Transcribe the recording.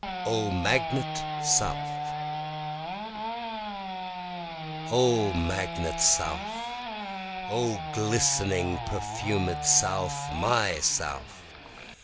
O Magnet South O magnet south! O glistening perfumed South! my South!